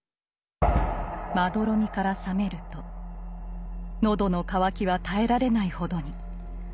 まどろみから覚めると喉の渇きは耐えられないほどに。